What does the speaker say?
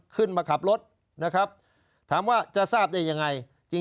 ขึ้นมาขับรถนะครับถามว่าจะทราบได้ยังไงจริง